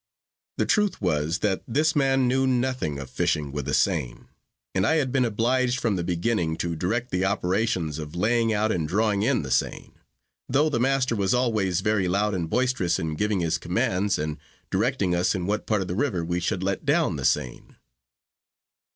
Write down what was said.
The truth was, that this man knew nothing of fishing with a seine, and I had been obliged from the beginning to direct the operations of laying out and drawing in the seine; though the master was always very loud and boisterous in giving his commands, and directing us in what part of the river we should let down the seine.